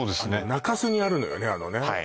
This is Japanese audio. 中州にあるのよね